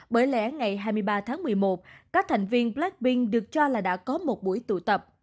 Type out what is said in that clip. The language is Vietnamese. bởi lẽ ngày hai mươi ba tháng một mươi một các thành viên blackpink được cho là đã có một buổi tụ tập